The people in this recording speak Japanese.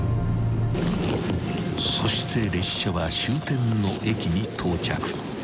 ［そして列車は終点の駅に到着］